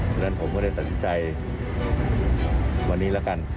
เพราะฉะนั้นผมก็เลยตัดสินใจวันนี้แล้วกัน